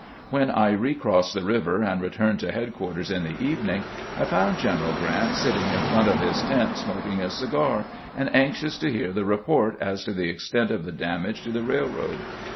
When I reerossed the river and returned to headquar ters in the evening, I found Greneral Grrant sitting in front of his tent smoking a cigar and anxious to hear the report as to the extent of the damage to the railroad.